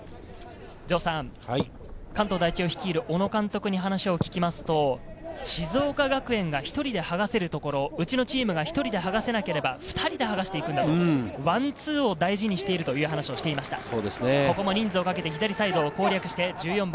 関東第一を率いる小野監督に話を聞きますと、静岡学園が１人ではがせるところ、うちのチームが１人ではがせなければ２人ではがしていくんだと、ワンツーを大事にしているという話をしていました。